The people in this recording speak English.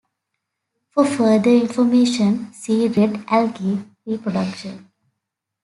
For further information, see Red algae: Reproduction.